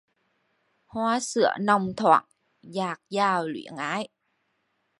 Hoa sữa nồng thoảng dạt dào luyến ái